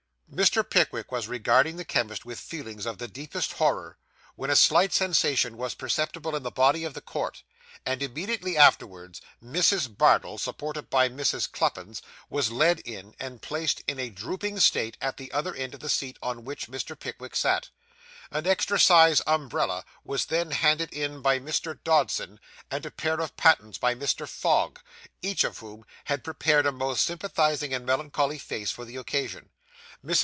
Mr. Pickwick was regarding the chemist with feelings of the deepest horror, when a slight sensation was perceptible in the body of the court; and immediately afterwards Mrs. Bardell, supported by Mrs. Cluppins, was led in, and placed, in a drooping state, at the other end of the seat on which Mr. Pickwick sat. An extra sized umbrella was then handed in by Mr. Dodson, and a pair of pattens by Mr. Fogg, each of whom had prepared a most sympathising and melancholy face for the occasion. Mrs.